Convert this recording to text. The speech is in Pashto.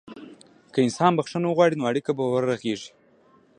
که انسان بخښنه وغواړي، نو اړیکه به ورغېږي.